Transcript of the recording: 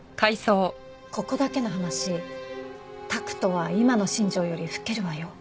ここだけの話拓斗は今の新庄より吹けるわよ。